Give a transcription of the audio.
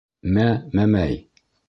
— Мә мәмәй.